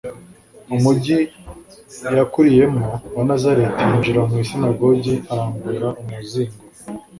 umujyi yakuriyemo wa Nazareti yinjira mu isinagogi arambura umuzingo